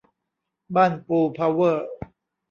บ้านปู เพาเวอร์